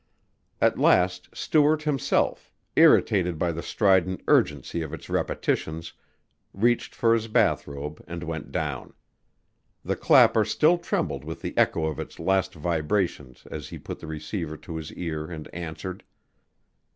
At last Stuart, himself, irritated by the strident urgency of its repetitions, reached for his bath robe and went down. The clapper still trembled with the echo of its last vibrations as he put the receiver to his ear and answered.